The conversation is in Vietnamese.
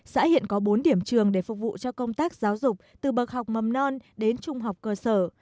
xã hiện có bốn điểm trường để phục vụ cho công tác giáo dục từ bậc học mầm non đến trung học cơ sở